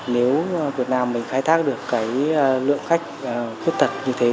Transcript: nếu việt nam mình khai thác được cái lượng khách khuyết tật như thế